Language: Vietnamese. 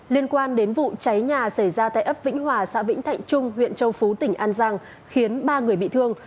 liên quan đến vụ cháy nhà xảy ra tại ấp vĩnh hòa xã vĩnh thạnh trung huyện châu phú tỉnh an giang khiến ba người bị thương